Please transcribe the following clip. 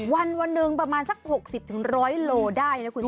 วันหนึ่งประมาณสัก๖๐๑๐๐โลได้นะคุณผู้ชม